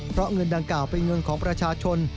เพราะเงินดังกล่าวเป็นเงินของประชาชน